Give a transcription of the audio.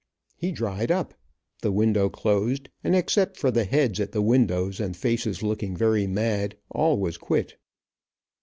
He dried up, the window closed and except for the heads at the windows, and faces looking very mad, all was quit.